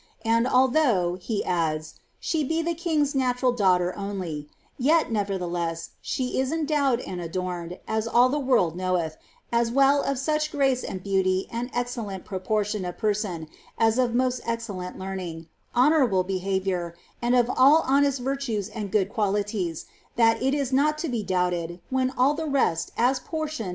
And although^" he addSi ^she be tlie king^s natural daughter only, yet, nevertheless, she ii endowed and adorned (as all the world knoweth ), as well of such fiaee and beauty and excellent proportion of person, as of most exceUest learning, honourable behaviour, and of all honest virtues and £ood qoi lities, that it is not to be doubted ^when all the rest, as portion.